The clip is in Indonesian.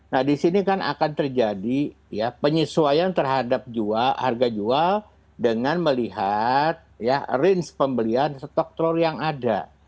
nah di sini kan akan terjadi penyesuaian terhadap harga jual dengan melihat range pembelian stok telur yang ada